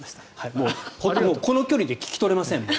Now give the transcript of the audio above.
この距離で聞き取れませんもん。